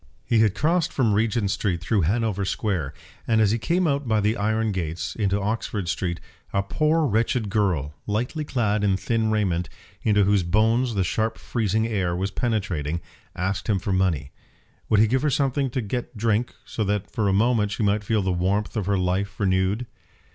He had crossed from Regent Street through Hanover Square, and as he came out by the iron gates into Oxford Street, a poor wretched girl, lightly clad in thin raiment, into whose bones the sharp freezing air was penetrating, asked him for money. Would he give her something to get drink, so that for a moment she might feel the warmth of her life renewed?